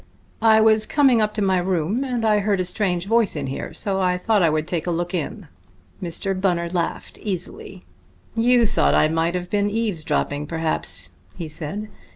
"I was coming up to my room, and I heard a strange voice in here, so I thought I would take a look in." Mr. Bunner laughed easily. "You thought I might have been eavesdropping, perhaps," he said.